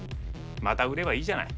また売ればいいじゃない。